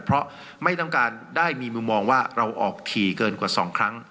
เพราะไม่ต้องการได้มีมุมมองว่าเราออกขี่เกินกว่า๒ครั้ง